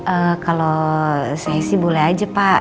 eh kalau saya sih boleh aja pak